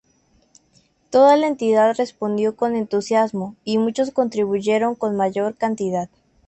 Toda la entidad respondió con entusiasmo y muchos contribuyeron con mayor cantidad.